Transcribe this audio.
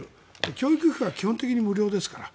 教育費が基本的に無料ですから。